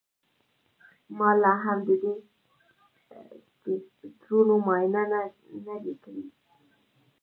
ما لاهم د دې کیپیسټرونو معاینه نه ده کړې